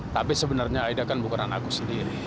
tapi sebenarnya aida kan bukan anakku sendiri